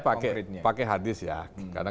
pakai hadis ya karena